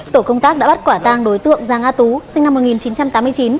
tổ công tác đã bắt quả tang đối tượng giang a tú sinh năm một nghìn chín trăm tám mươi chín